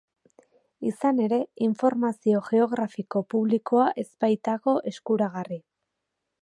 Izan ere, informazio geografiko publikoa ez baitago eskuragarri.